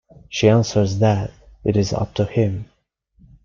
She answers that it is up to him.